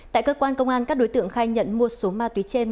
tại cơ quan công an các đối tượng khai nhận mua số ma túy trên